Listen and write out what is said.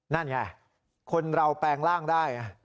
นั่นไงคนเราแปลงร่างได้